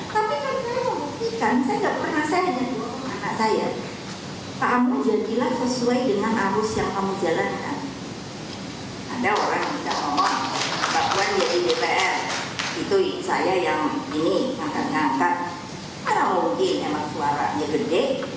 pertanyaan terakhir bagaimana menurut anda apakah pdi perjuangan akan menjelang pemilu tahun dua ribu dua puluh empat